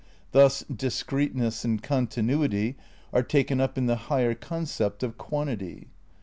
Thus discreteness and continuity are taken up in the higher concept of Quan tity.